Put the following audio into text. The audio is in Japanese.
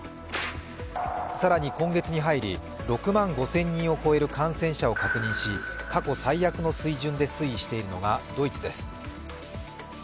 更に今月に入り、６万５０００人を超える感染者を確認し過去最悪の水準で推移しているのがドイツです。